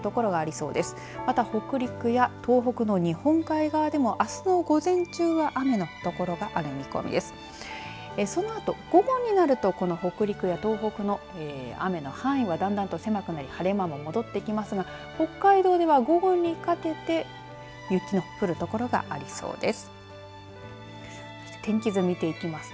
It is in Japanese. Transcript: そのあと午後になるとこの北陸や東北の雨の範囲はだんだんと狭くなり晴れ間も戻ってきますが北海道では、午後にかけて雪の降る所がありそうです。